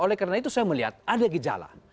oleh karena itu saya melihat ada gejala